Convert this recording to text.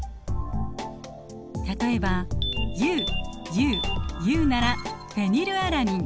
例えばＵＵＵならフェニルアラニン。